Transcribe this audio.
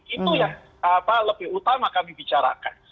itu yang lebih utama kami bicarakan